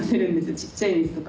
ちっちゃいミスとか。